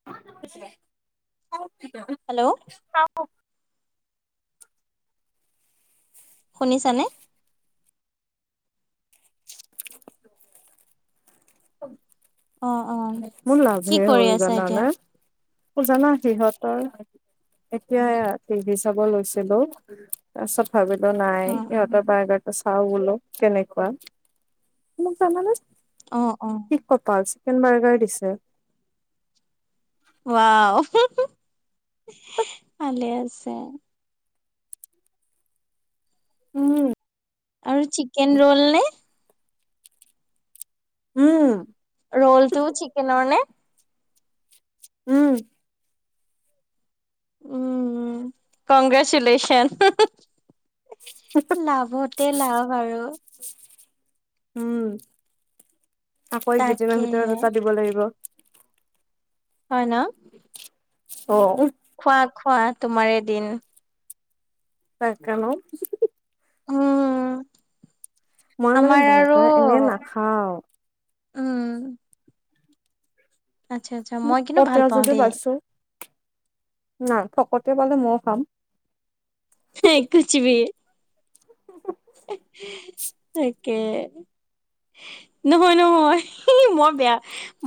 [inaudible] Hello, [unintelligible] শুনিছানে? অ', অ', মন কি লাভে কৰি হ'ল আছা জান এতিয়া? নে? জানা সিহঁতৰ এতিয়া টিভি চাব লৈছিলো তাৰ পিছত ভাবিলো নাই উম, উম, ইহতৰ বাৰটাত চাও বোলো কেনেকুৱা মোক জানানে অ' অ' কি কপাল চিকেন বাৰ্গাৰ দিছে ৱাও ভালে আছে উম আৰু চিকেন ৰোল নে উম ৰ'লটো চিকেনৰ নে উম উম কংগ্ৰেচুলেচন উ [inaudible] লাভতে লাভ আৰু উম আকৌ একিদিনৰ তাকেহে ভিতৰত এটা দিব লাগিব হয় ন অ' খোৱা খোৱা তোমাৰ এ দিন তাকেনো উম মই মানে আমাৰ আৰু বাৰ্গাৰ এনে নাখাও উম আচ্ছা আচ্ছা মই কিন্তু ফকত ভাল পাওঁ যদি দেই। পাইছো নাই ফকতে পালে ময় খাম সেই কুষভি তাকে নহয় নহয় এ মই বেয়া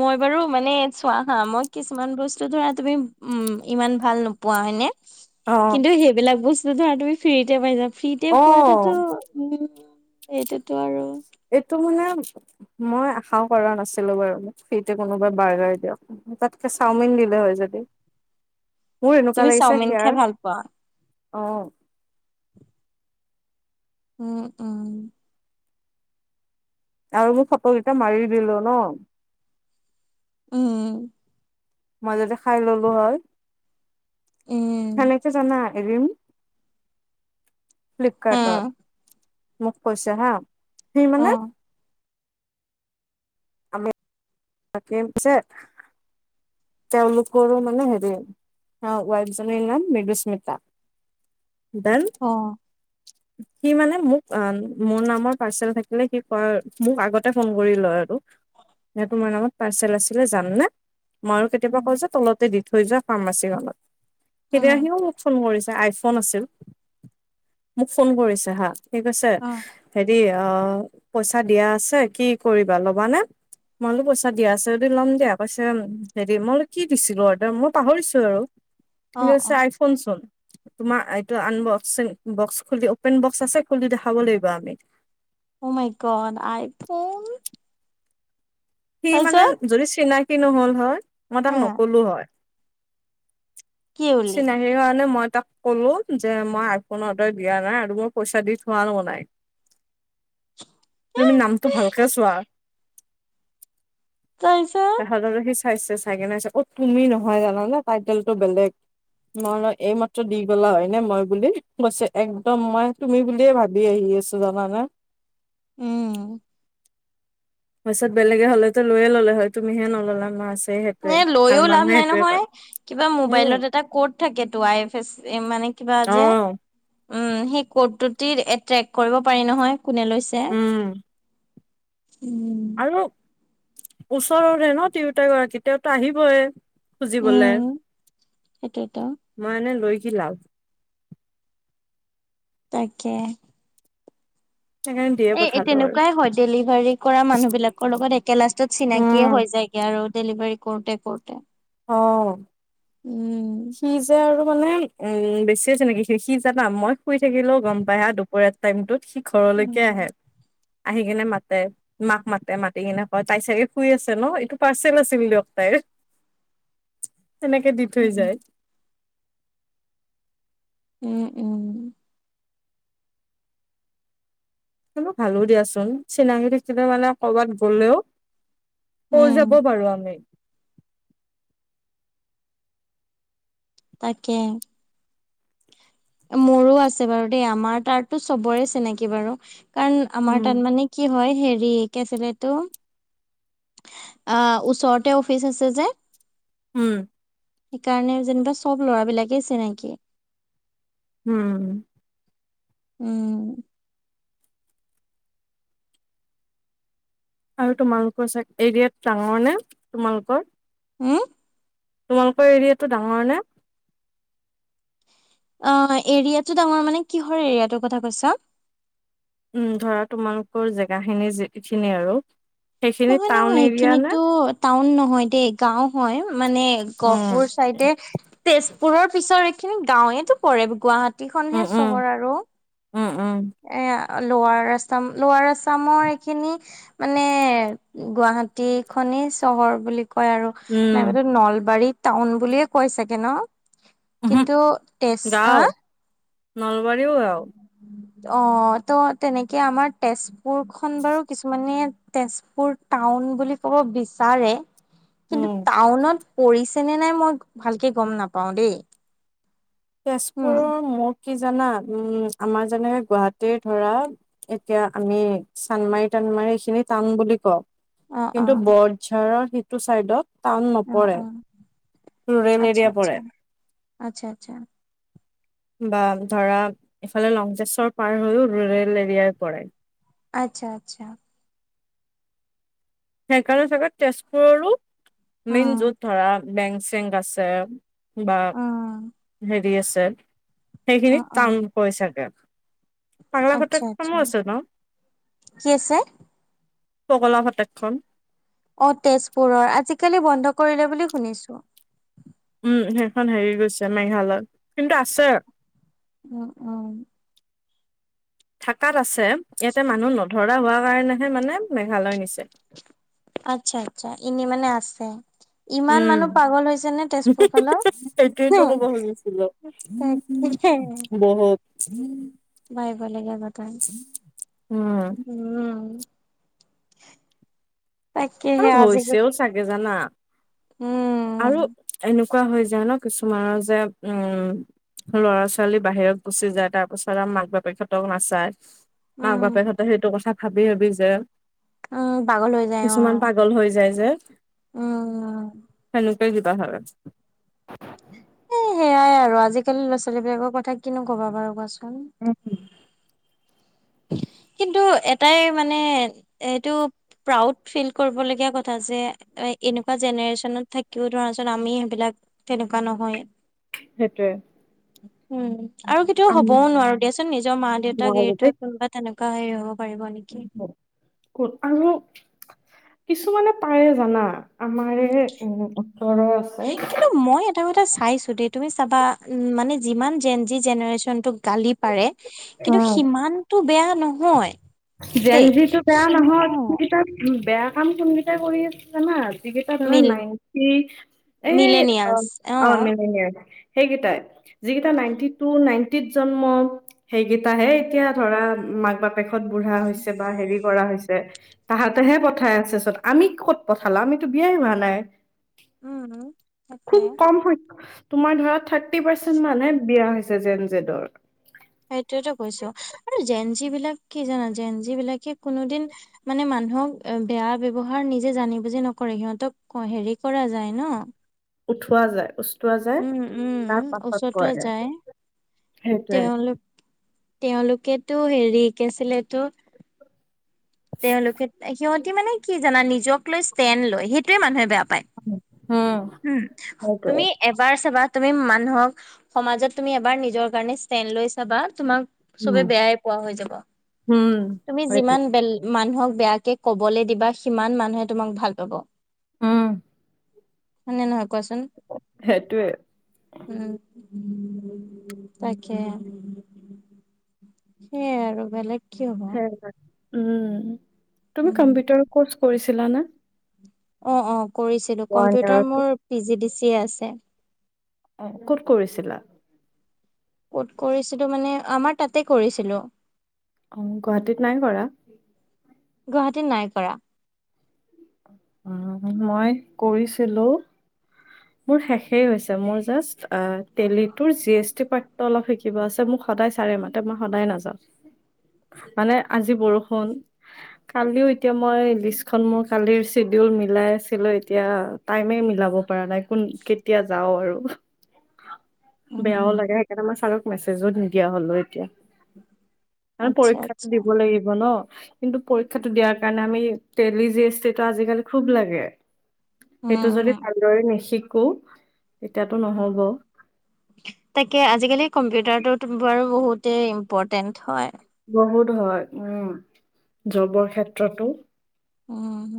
মই বাৰু মানে চোৱা হা মই কিছুমান বস্তু ধৰা তুমি উম ইমান ভাল নোপোৱা হয়নে অ কিন্তু সেইবিলাক বস্তুতো আৰু তুমি ফ্ৰীতে পাই যা ফ্ৰীতে অ পোৱাতোতো উম এইটোতো আৰু এইটো মানে মই আশাও কৰা নাছিলো বাৰু ফ্ৰী টে কোনোবাই বাৰ্গাৰ দিয়ক তাতকে চাওমিন দিলে হয় যদি [inaudible] মোৰ এনেকুৱা তুমি লাগিছে চাওমিন খাই ভাল পোৱা সিয়াৰ অ' উম উম আৰু মোৰ ফটকেইটা মাৰি দিলো ন উম মই যদি খাই ললো হয় সেনেকে জানা এৰিম উম ফ্লিপকাৰ্টত মোক কৈছে হা সি অ মানে আমি বাকীম চে [unintelligible] তেওঁলোকৰ মানে হেৰি ৱাইফ জনীৰ নাম মিদুস্মিতা ডন অ' সি মানে মোক অ' মোৰ নামৰ পাৰ্চেল থাকিলে সি ক মোক আগতে ফোন কৰি লয় আৰু নে তোমাৰ নামত পাৰ্চেল আছিলে যাম নে মইো কেতিয়াবা কওঁ উম যে, তলতে দি থৈ যোৱা ফাৰ্মাচীখনত সেইদিনা উম আহিও মোক ফোন কৰিছে, আইফোন আছিল মোক ফোন কৰিছে হা সি কৈছে অ হেৰি অ', পইচা দিয়া আছে, কি কৰিবা ল'বানে? মই বোলো পইচা দিয়া আছে যদি ল'ম দিয়া। কৈছে, হেৰি। মই বোলো কি দিছিলো অৰ্ডাৰ, মই পাহৰিছোঁ আৰু উ [inaudible] সি কৈছে, আইফোন চোন তোমাৰ এইটো আনবক্সিং, বক্স খুলি অপেন বক্স আছে খুলি দেখাব লাগিব আমি। অ', মাই গত আইফোন। সি মানে তাৰপিছত যদি চিনাকি নহ'ল হয়, মই তাক হা নকলো হয়। কি বুলি চিনাকি সেই কাৰণে মই তাক ক'লো যে মই আইফোন অৰ্ডাৰ দিয়া নাই আৰু মই পইচা দি থোৱাও নাই। [inaudible] তুমি নামটো ভালকে চোৱা। তাৰপিছত, তাহাতোৰে সি চাইছে, চাই কিনে কৈছে অ', তুমি নহয় জানানে টাইটেলটো বেলেগ। মই বোলো এইমাত্ৰ দি গ'লা হয় নে মই বুলি, কৈছে একদম মই তুমি বুলিয়ে ভাবি আহি আছোঁ। তো জানা নে? উম্। কৈছে বেলেগে হ'লে লৈয়ে ল'লে হয়, তুমিহে নললা মাছ এ লৈয়ো লাভ নাই নহয়, কিবা উম মোবাইলত এটা ক'ত থাকে তো, আই এফ এছ মানে কিবা অ যে উম্, সেই কৰ্ট টো দি এট্ৰেক্ট কৰিব পাৰি নহয়। কোনে লৈছে, উম উম্। আৰু ওচৰৰে ন তিৰোত গৰাকী, তেওঁতো আহিবইে। উম খুজিবলৈ, সেইটোৱেতো মই এনে লৈ কি লাভ। তাকে। সেইকাৰণে দিয়ে এই পঠালো আৰু। তেনেকুৱাই হয়, ডেলিভাৰী কৰা মানুহ বিলাকৰ লগত একেবাৰে লাষ্টত চিনাকিয়ে উম, হৈ যায়। আৰু ডেলিভাৰী কৰোঁতে কৰোঁতে। অ'। উম্। সি যে আৰু মানে উম্, বেছিয়ে জানে সি। সি জানা মই শুই থাকিলেও গম পাই হা দুপৰীয়া। টাইমতোত সি ঘৰলৈকে আহে উম আহি কেনে মাতে। মাক মাতে, মাতি কিনে কয়। তাই চাগে শুই আছে ন, এইটো পাৰ্চেল আছিল দিয়ক তাইৰ। [inaudible] তেনেকে দি থৈ যায়। উম্, উম্। ভালো দিয়াচোন, চিনাকি থাকিলে মানে কৰ'বাত গ'লেও কয় উম যাব পাৰোঁ আমি। তাকে। মোৰো আছে বাৰু দেই, আমাৰ তাৰতো চবৰে চিনাকি বাৰু কাৰণ আমাৰ উম, তাত মানে কি হয়, হেৰি কি আছিলে সেইটো? অ', ওচৰতে অফিচ আছে যে উম্। সেইকাৰণে যেনিবা চব ল'ৰা বিলাকেই চিনাকি। উম্। উম্। আৰু তোমালোকৰ চাগ, এৰিয়াত ডাঙৰ নে তোমালোকৰ? উম্? তোমালোকৰ এৰিয়াটো ডাঙৰ নে? অ', এৰিয়াটো ডাঙৰ মানে, কিহৰ এৰিয়াটোৰ কথা কৈছাঁ? উম ধৰা তোমালোকৰ জেগাখিনি যিখিনি আৰু সেইখিনি নহয় নহয় টাউন এৰিয়া নে? এইখিনিতো টাউন নহয় দেই গাও হয় মানে উম, গহপুৰ চাইডে তেজপুৰৰ পিছৰ এইখিনি গাঁওৱেইটো পৰে উম, গুৱাহাটীখনহে উম, চহৰ আৰু। উম উম। এ লৱাৰ আছাম লৱাৰ আছামৰ এইখিনি মানে গুৱাহাটী খনি চহৰ বুলি কয় আৰু। উম, নাইব ত নলবাৰী টাউন বুলিয়ে কৈ চাগে ন? কিন্তু তেজ আ গাও নলবাৰীও গাও। অ' ত তেনেকে আমাৰ তেজপুৰ খন বাৰু কিছুমানে তেজপুৰ টাউন বুলি ক'ব বিচাৰে কিন্তু উম, টাউনত পৰিছেনে নাই মই ভালকে গম নাপাও দেই। উম তেজপুৰৰ মোৰ কি জানা উম আমাৰ যেনে গুৱাহাটীৰ ধৰা এতিয়া আমি চানমাৰি টানমাৰি এইখিনি টান বুলি কওঁ অ অ কিন্তু বৰঝাৰৰ সিটো চাইডত টাউন অ নপৰে অ ৰুৰেল আচ্ছা এৰিয়া আচ্ছা পৰে। আচ্ছা আচ্ছা। বা ধৰা ইফালে লংজেষ্টৰ পাৰ হৈও ৰুৰেল এৰিয়াই পৰাই। আচ্ছা আচ্ছা। সেইকাৰণে চাগে তেজপুৰৰো মেইন উম য'ত ধৰা বেংচেং আছে। বা উম হেৰি আছে উম সেইখিনিত উম টান হৈ চাগে। পংলা ঘত আচ্ছা আচ্ছা কামো আছে ন? কি আছে উপকলা শতকখন। অ' তেজপুৰৰ আজিকালি বন্ধ কৰিলে বুলি শুনিছো। উম সেইখন হেৰি গৈছে মেঘালত কিন্তু আছে। উম, উম। থাকাত আছে ইয়াতে মানুহ নধৰা হোৱাৰ কাৰণেহে মানে মেঘালয় নিছে। আচ্ছা আচ্ছা এনে মানে আছে। ইমান উম মানুহ পাগল হৈছে নে তেজপুৰ ফালৰ। উ সেইটোৱেতো ক'ব খুজিছিলো [unintelligible] উম। বাই ভাল যাব তাৰ উম উম। তাকেহে আৰু আজি হৈছেও চাগে জানা আৰু উম এনেকুৱা কোৱা হৈ যায় ন কিছুমানৰ যে উম ল'ৰা ছোৱালী বাহিৰত গুচি যায় তাৰ পিছত আৰু মাক বাপেকহঁতক নাচায়। মাক উম বাপেহঁতে সেইটো কথা ভাবি ভাবি যে উ, পাগলৈ হৈ যাই কিছুমান অ'। পাগল হৈ যায় যে উম সেনেকুৱাই কিবা হয়। এ সেয়াই আৰু আজিকালি ল'ৰা ছোৱালী বিলাকৰ কথা কিনো কবা বাৰু কোৱাচোন। উম। কিন্তু এটাই মানে এইটো প্ৰাউড ফিল কৰিবলগীয়া কথা যে। এনেকুৱা জেনেৰেশ্যনত থাকিও ধৰাচোন আমি সেইবিলাক তেনেকুৱা নহয়। সেইটোয়ে। উম আৰু কেতিয়া হবও নোৱাৰো দিয়াচোন নিজৰ মা দেউতাক এৰি থৈ কা তেনেকুৱা হেৰি হ'ব পাৰিব নেকি। কোন আৰু কিছুমানে পাৰে জানা আমাৰে উম উত্তৰৰ আছে। কিন্তু মই এটা কথা চাইছো দ তুমি চাবা উ মানে যিমান যেন যি জেনেৰেশচন টোক গালি পাৰে। কিন্তু সিমানতটো বেয়া নহয়। দেই। জেনজিটো বেয়া সি অ নহত ককেইটা বেয়া কাম কোনকটাই কৰি আছে জানা নাইটা ধয় মিল নাইনটি এ অ', অ' ম। সেইকেইটাই যিিকেইটা নাইনটি টু নাইনটিিত জন্ম সেইকেইটাহে এতিয়া ধৰা মাক বাপেকত বুঢ়া হৈছে বা হেৰি কৰা হৈছে তাহাঁতেহে পঠাই আছে চত আমি কত পঠালো আমিতো বিয়াই হোৱা নাই উম সেইটোৱে। খুব কম হয় তোমাৰ ধৰা থাৰ্টি পাৰ্চেন্ট মানে বিয়া হৈছে জেন জেদৰ সেইটোৱেইটো কৈছোঁ। আৰু, জেন যি বিলাক, কি জানা, জেন যি বিলাকে, কোনোদিন মানে, মানুহক বেয়া ব্যৱহাৰ, নিজে জানি-বুজি নকৰে। সিহঁতক, হেৰি কৰা যায়, ন উঠোৱা যায়, উচোৱা যায়। তাৰ পাছত, কৰে। সেইটোৱে তেওঁলোক-তেওঁলোকেতো, হেৰি, কি আছিলে এইটো তেওঁলোকে, সিহঁতি, মানে, কি জানা, নিজক লৈ ষ্টেণ্ড লয়। সেইটোৱেই, মানুহে বেয়া পায়। [inaudible] উম, সেইটোৱে তুমি এবাৰ চাবা, তুমি। মানুহক, সমাজত, তুমি এবাৰ নিজৰ কাৰণে ষ্টেণ্ড লৈ চাবা। তোমাক চবে, উম বেয়াই পোৱা হৈ যাব। উম তুমি সেইটোৱে যিমান, বেল মানুহক বেয়াকে ক'বলৈ দিবা। সিমান, মানুহে তোমাক ভাল পাব। অঁ। হয়েনে, নহয়? কোৱাচোন। সেইটোৱে উম, তাকে। সেইয়াই আৰু, বেলেগ কি হ'ব [inaudible] উম, তুমি উম কম্পিউটাৰ কৰ্চ কৰিছিলা, না? ওৱান ইয়াৰৰটো। অঁ অঁ, ক'ত কৰিছিলা? ক'ত কৰিছিলোঁ? মানে, আমাৰ তাতেই কৰিছিলোঁ। অঁ, গুৱাহাটীত নাই কৰা। গুৱাহাটীত নাই কৰা। উম, মই কৰিছিলোঁ। মোৰ শেষেই হৈছে। মোৰ, জাষ্ট, টেলিটোৰ, জি এছ টি পাৰ্টটো অলপ কিবা আছে। মোক সদায় চাৰে মাতে। মই সদায় নাযাওঁ। [inaudible] মানে, আজি বৰষুণ কালিও, এতিয়া, মই লিষ্টখন মোৰ কালিৰ চিডিউল মিলাই আছিলোঁ, এতিয়া টাইমে মিলাব পৰা নাই। কোন, কেতিয়া যাওঁ, আৰু বেয়াও উম লাগে। এতিয়া, মই ছাৰক মেছেজো নিদিয়া হ'লো, এতিয়া। মানে, আচ্ছা পৰীক্ষাটো আচ্ছা দিব লাগিব, ন। কিন্তু, পৰীক্ষাটো দিয়াৰ কাৰণে, আমি টেলি জি এছ টি টো, আজিকালি, খুব লাগে। উম সেইটো যদি, হম ভালদৰে নিশিকো, তেতিয়াতো নহব। তাকে, আজিকালি, কম্পিউটাৰটোতো, বাৰু, বহুতেই ইম্পৰ্টেন্ট হয়। বহুত হয়। উম, জবৰ ক্ষেত্ৰতো অঁ, [inaudible]